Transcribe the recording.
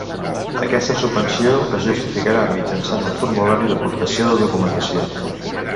Aquesta subvenció es justificarà mitjançant el formulari d'Aportació de documentació.